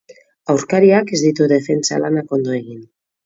Aurkariak ez ditu defentsa lanak ondo egin.